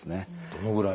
どのぐらい？